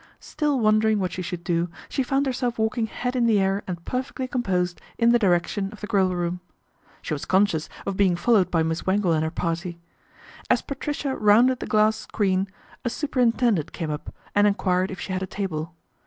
Still wondering what she should do, she found herself walking head in the air and perfectly composed, in the direction of the Grill room. She was conscious of being followed by Miss Wangle and her party. As Patricia rounded the glass screen a superintendent came up and enquired if she had a table.